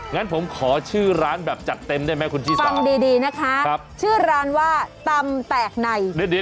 งั้นผมขอชื่อร้านแบบจัดเต็มได้ไหมคุณชิสาฟังดีดีนะคะชื่อร้านว่าตำแตกใน